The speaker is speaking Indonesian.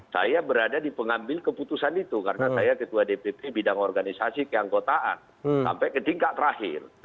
saya berada di pengambil keputusan itu karena saya ketua dpp bidang organisasi keanggotaan sampai ke tingkat terakhir